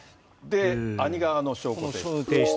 兄側の証拠提出。